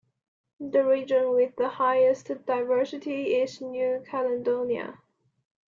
The region with the highest diversity is New Caledonia.